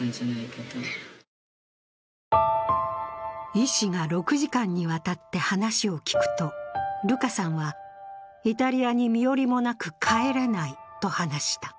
医師が６時間にわたって話を聞くと、ルカさんは、イタリアに身寄りもなく帰れないと話した。